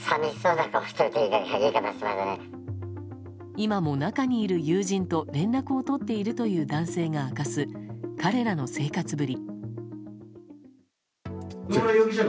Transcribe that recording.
今も中にいる友人と連絡を取っているという男性が明かす、彼らの生活ぶり。